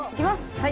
はい。